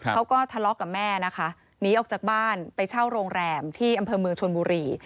เขาก็ทะเลาะกับแม่นะคะหนีออกจากบ้านไปเช่าโรงแรมที่อำเภอเมืองชนบุรี